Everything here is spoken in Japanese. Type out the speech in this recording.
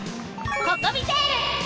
ココミテール！